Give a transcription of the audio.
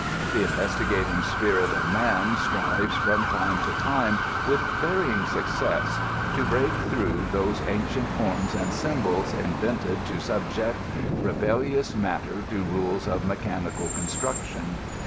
The investigating spirit of man strives from time to time, with varying success, to break through those ancient forms and symbols invented, to subject rebellious matter to rules of mechanical construction.